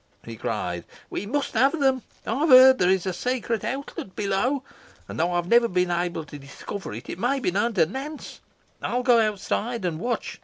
he cried; "we must have them. I have heard there is a secret outlet below, and though I have never been able to discover it, it may be known to Nance. I will go outside, and watch.